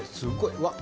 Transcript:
うわっ！